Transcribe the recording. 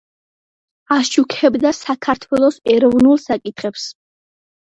აშუქებდა საქართველოს ეროვნულ საკითხებს.